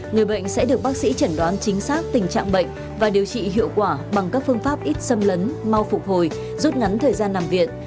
người bệnh sẽ được bác sĩ chẩn đoán chính xác tình trạng bệnh và điều trị hiệu quả bằng các phương pháp ít xâm lấn mau phục hồi rút ngắn thời gian nằm viện